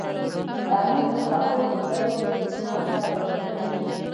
تنور د خوږو ډوډیو مینځ ته راوړونکی دی